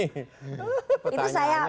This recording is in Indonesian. itu saya perjelas lagi itu